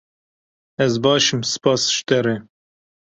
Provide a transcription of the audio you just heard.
Ez baş im spas ji te re.